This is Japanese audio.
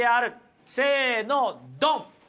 せのドン！